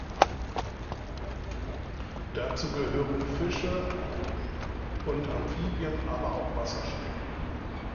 Dazu gehören Fische und Amphibien, aber auch Wasserschnecken.